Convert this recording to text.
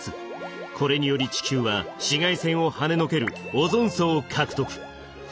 これにより地球は紫外線をはねのけるオゾン層を獲得。